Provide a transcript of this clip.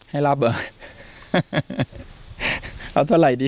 ให้รับเหรอเอาเท่าไหร่ดี